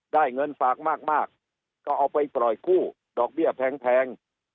ได้เงินฝากมากก็เอาไปปล่อยกู้ดอกเบี้ยแพง